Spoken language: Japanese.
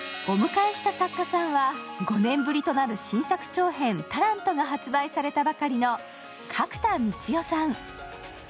お迎えした作家さんは、５年ぶりとなる新作長編「タラント」が発売されたばかりの角田光代さん。